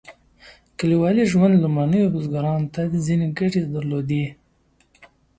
کلیوال ژوند لومړنیو بزګرانو ته ځینې ګټې درلودې.